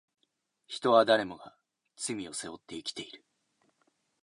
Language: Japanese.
人は誰もが罪を背負って生きている